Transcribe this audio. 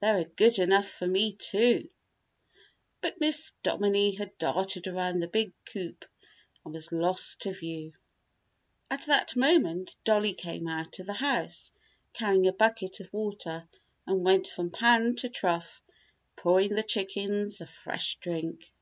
They are good enough for me, too," but Miss Dominie had darted around the big coop and was lost to view. At that moment Dollie came out of the house carrying a bucket of water and went from pan to trough, pouring the chickens a fresh drink.